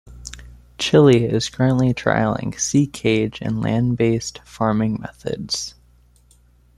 Chile is currently trialling seacage and land-based farming methods.